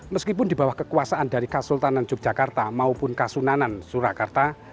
meskipun di bawah kekuasaan dari kasultanan yogyakarta maupun kasunanan surakarta